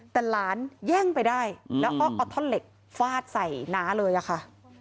แต่หลานแย่งไปได้แล้วก็เอาท่อนเหล็กฟาดใส่น้าเลยอะค่ะ